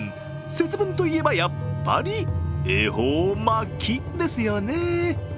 節分といえばやっぱり、恵方巻きですよね。